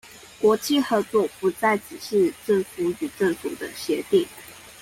國際合作不再只是政府與政府的協定